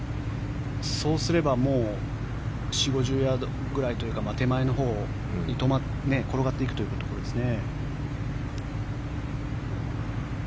そうすればもう４０５０ヤードくらいというか手前のところに転がっていくというところですね。